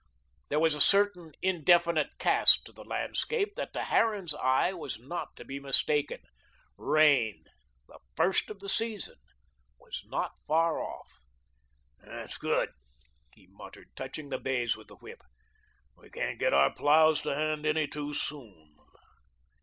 There was a certain indefinite cast to the landscape that to Harran's eye was not to be mistaken. Rain, the first of the season, was not far off. "That's good," he muttered, touching the bays with the whip, "we can't get our ploughs to hand any too soon."